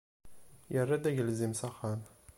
Yerra-d agelzim s axxam.